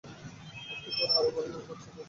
একটু পরে আরও ভয়ানক পরিস্থিতি আসবে।